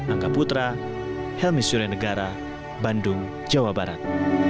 angga putra helmi suryanegara bandung jawa barat